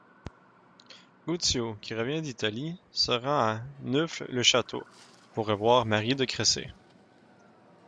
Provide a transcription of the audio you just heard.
Guccio, qui revient d'Italie, se rend à Neauphle-le-Château pour revoir Marie de Cressay.